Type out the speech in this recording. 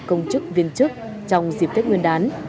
hành chính của cán bộ công chức viên chức trong dịp tết nguyên đán